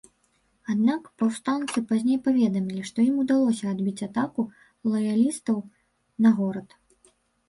Аднак паўстанцы пазней паведамілі, што ім удалося адбіць атаку лаялістаў на горад.